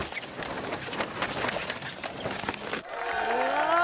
すごい。